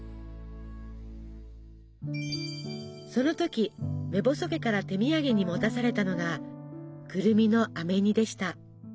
その時目細家から手土産に持たされたのがくるみのあめ煮でした。